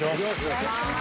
お願いします。